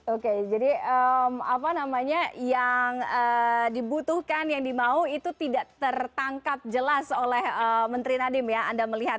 oke jadi apa namanya yang dibutuhkan yang dimau itu tidak tertangkap jelas oleh menteri nadiem ya anda melihat